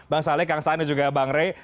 bang saleh kang saan dan juga bang rey